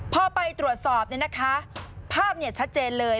พอไปตรวจสอบภาพชัดเจนเลย